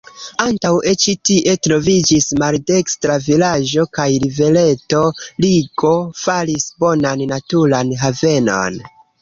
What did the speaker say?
Antaŭe ĉi tie troviĝis maldekstra vilaĝo, kaj rivereto Rigo faris bonan naturan havenon.